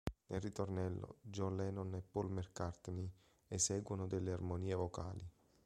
Nel ritornello John Lennon e Paul McCartney eseguono delle armonie vocali.